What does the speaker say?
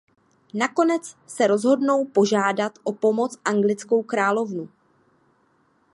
Nakonec se rozhodnou požádat o pomoc anglickou královnu.